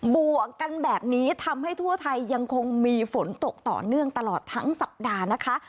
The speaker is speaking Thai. บวกกันแบบนี้ทำให้ทั่วไทยยังคงมีฝนตกต่อเนื่องตลอดทั้งสัปดาห์นะคะ